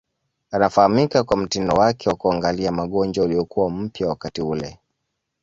Anafahamika kwa mtindo wake wa kuangalia magonjwa uliokuwa mpya wakati ule.